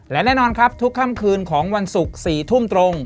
และแน่นอนครับทุกค่ำคืนของวันศุกร์๔ทุ่มตรง